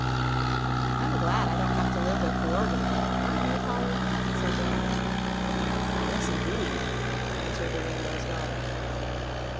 "I'm glad I don't have to live with the organ man; aren't you, Polly?" said Dorothy. "Yes indeed," answered the Rainbow's Daughter.